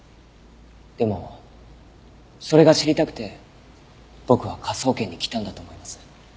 でもそれが知りたくて僕は科捜研に来たんだと思います。